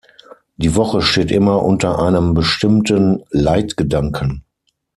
Die Woche steht immer unter einem bestimmten Leitgedanken.